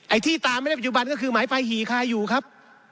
ไอ้ที่ตามในปัจจุบันก็คือหมายปลายหี่ค่าอยู่ครับ